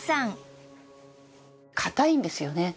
硬いんですよね。